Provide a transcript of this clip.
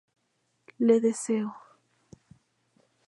Le deseo.